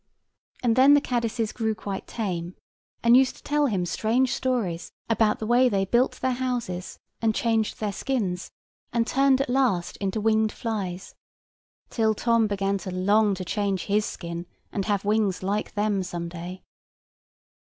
And then the caddises grew quite tame, and used to tell him strange stories about the way they built their houses, and changed their skins, and turned at last into winged flies; till Tom began to long to change his skin, and have wings like them some day.